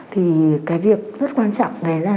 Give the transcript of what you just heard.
thì cái việc rất quan trọng đấy là